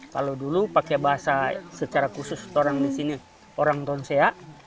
kalau dulu pakai bahasa secara khusus orang di sini orang tonsea